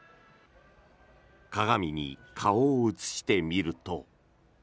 鏡に顔を映してみると。